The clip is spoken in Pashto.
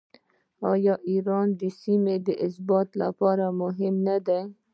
آیا ایران د سیمې د ثبات لپاره مهم نه دی؟